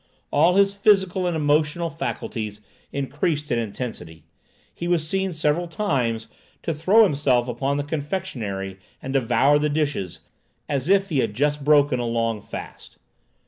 All his physical and emotional faculties increased in intensity. He was seen, several times, to throw himself upon the confectionery and devour the dishes, as if he had just broken a long fast.